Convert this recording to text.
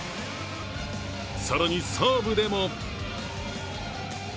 更に、サーブでも。